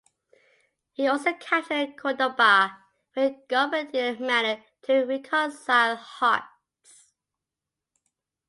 He also captured Cordoba, where he governed in a manner "to reconcile hearts".